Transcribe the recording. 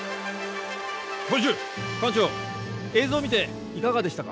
教授館長映像見ていかがでしたか？